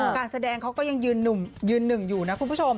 การแสดงเขาก็ยังยืนหนึ่งอยู่นะคุณผู้ชม